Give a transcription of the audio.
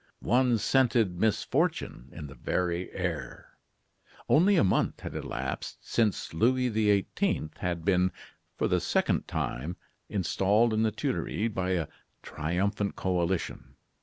One scented misfortune in the very air. Only a month had elapsed since Louis XVIII. had been, for the second time, installed in the Tuileries by a triumphant coalition.